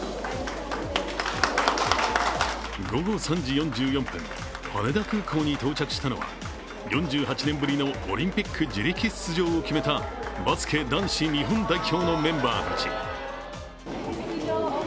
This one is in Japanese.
午後３時４４分、羽田空港に到着したのは４８年ぶりのオリンピック自力出場を決めたバスケ男子日本代表のメンバーたち。